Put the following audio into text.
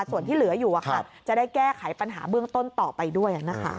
ส่วนที่เหลืออยู่จะได้แก้ไขปัญหาเบื้องต้นต่อไปด้วยนะคะ